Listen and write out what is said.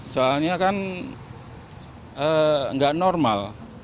soalnya kan enggak normal